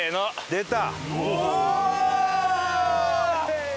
出た！